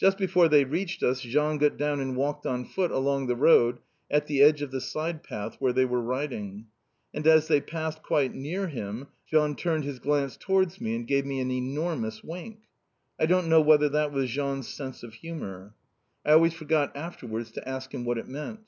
Just before they reached us Jean got down and walked on foot along the road at the edge of the side path where they were riding. And as they passed quite near him Jean turned his glance towards me and gave me an enormous wink. I don't know whether that was Jean's sense of humour. I always forgot afterwards to ask him what it meant.